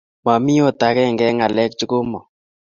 Mami at agenge eng ngalek cho komang?